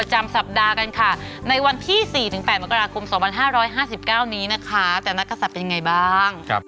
จำสัปดาห์กันค่ะในวันที่๔๘มกราคม๒๕๕๙นี้นะคะแต่นักกษัตริย์เป็นยังไงบ้าง